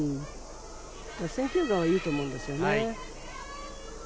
選球眼がいいと思うんですよね。